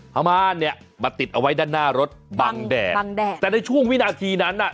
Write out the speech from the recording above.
พม่านเนี่ยมาติดเอาไว้ด้านหน้ารถบังแดดบังแดดแต่ในช่วงวินาทีนั้นน่ะ